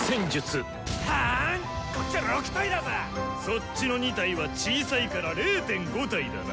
そっちの２体は小さいから０．５体だな。